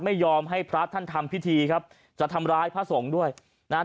ไม่ยอมให้พระท่านทำพิธีครับจะทำร้ายพระสงฆ์ด้วยนะฮะ